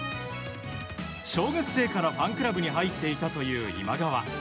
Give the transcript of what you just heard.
小学生からファンクラブに入っていたという今川。